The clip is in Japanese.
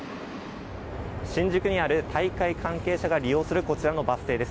新宿にある大会関係者が利用するバス停です。